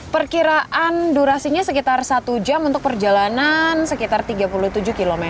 perkiraan durasinya sekitar satu jam untuk perjalanan sekitar tiga puluh tujuh km